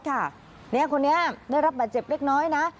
คนนี้ได้รับบาดเจ็บเล็กน้อยนะ